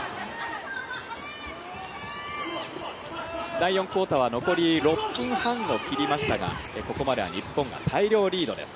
第４クオーターは残り６分半を切りましたがここまでは日本が大量リードです。